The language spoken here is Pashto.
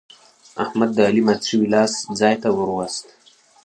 احمد د علي مات شوی لاس ځای ته ور ووست.